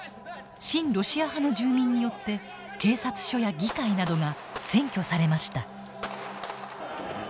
親ロシア派の住民によって警察署や議会などが「占拠」されました。